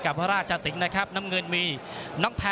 พี่น้องอ่ะพี่น้องอ่ะ